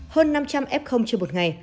hơn năm trăm linh f trên một ngày